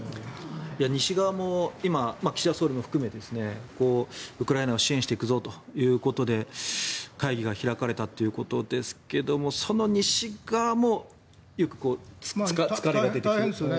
西側も今岸田総理も含めてウクライナを支援していくぞということで会議が開かれたということですがその西側も疲れが出てきているというか。